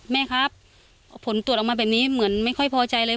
แม่ครับผลตรวจออกมาแบบนี้เหมือนไม่ค่อยพอใจเลย